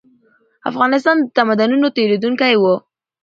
افغانستان د تمدنونو تېرېدونکی و.